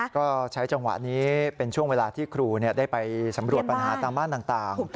ก็ใช้จังหวะนี้เป็นช่วงเวลาที่ครูได้ไปสำรวจปัญหาตามบ้านต่าง